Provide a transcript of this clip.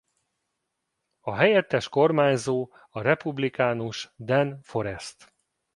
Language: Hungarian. A helyettes kormányzó a republikánus Dan Forest.